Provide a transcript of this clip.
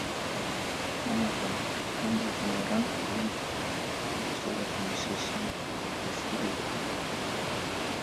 Mama za Moran huimba na kucheza kuonyesha heshima kwa ujasiri wa watoto wao